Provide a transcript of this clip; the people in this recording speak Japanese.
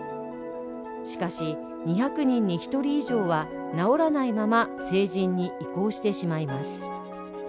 しかし、２００人に１人以上は治らないまま成人に移行してしまいます。